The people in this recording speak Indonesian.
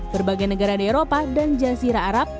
berbagai negara di eropa dan jazirah arab